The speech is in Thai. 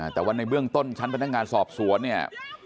แต่ว่าในเบื้องต้นชั้นพนักงานสอบสวนเนี่ย